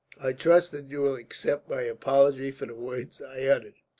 I trust that you will accept my apology for the words I uttered."